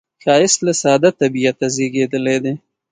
ښایست له ساده طبعیته زیږېدلی دی